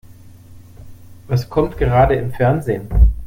Was kommt gerade im Fernsehen?